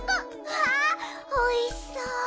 わあおいしそう！